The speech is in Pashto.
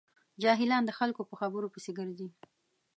جاهلان د خلکو په خبرو پسې ګرځي.